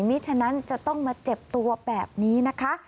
ฉะนั้นจะต้องมาเจ็บตัวแบบนี้นะคะ